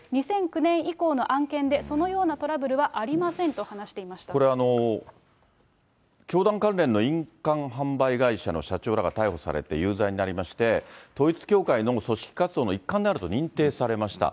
２００９年以降の案件でそのようなトラブルはありませんと話してこれ、教団関連の印鑑販売会社の社長らが逮捕されて、有罪になりまして、統一教会の組織活動の一環であると認定されました。